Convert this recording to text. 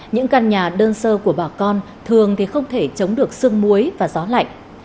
những căn nhà đơn sơ của bà con thường thì không thể chống được xương muối và gió lạnh